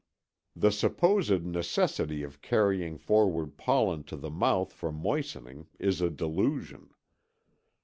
The supposed necessity of carrying forward pollen to the mouth for moistening is a delusion.